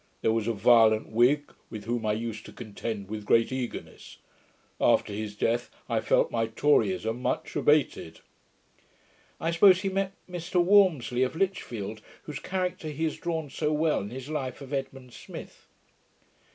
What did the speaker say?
There was a violent Whig, with whom I used to contend with great eagerness. After his death I felt my Toryism much abated.' I suppose he meant Mr Walmsley of Lichfield, whose character he has drawn so well in his life of Edmund Smith.